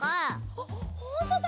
あっほんとだ！